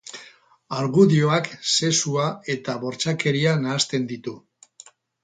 Argudioak sexua eta bortxakeria nahasten ditu.